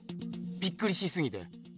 びっくりしすぎて。